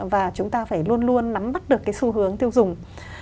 và chúng ta phải luôn luôn nắm bắt được cái xu hướng tiêu dùng